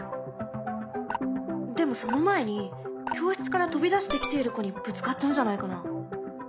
でもその前に教室から飛び出してきている子にぶつかっちゃうんじゃないかな。